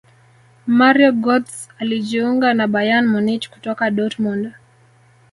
mario gotze alijiunga na bayern munich kutoka dortmund